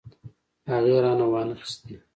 هغې رانه وانه خيستې.